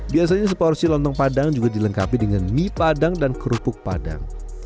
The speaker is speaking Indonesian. biasanya seporsi lontong padang juga dilengkapi dengan mie padang dan kerupuk padang